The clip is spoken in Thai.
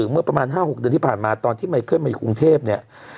เมื่อประมาณ๕๖เดือนที่ผ่านมาตอนที่ไมเคิลมาอยู่กรุงเทพเนี่ย